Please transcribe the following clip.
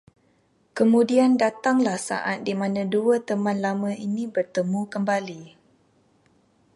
Kemudian datanglah saat dimana dua teman lama ini bertemu kembali